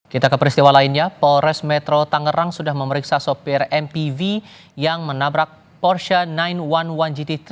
kita ke peristiwa lainnya polres metro tangerang sudah memeriksa sopir mpv yang menabrak porsha sembilan satu gt dua